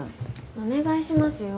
お願いしますよ。